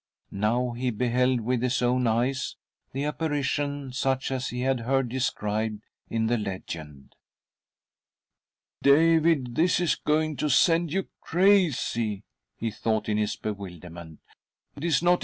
Now he beheld with his own eyes the apparition such as he had heard described in the legend. ," David, this is going to send you crazy," he = thought in his bewilderment. "It is not. enough ''?